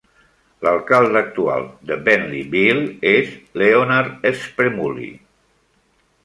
L'alcalde actual de Bentleyville és Leonard Spremulli.